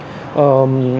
và các cái xe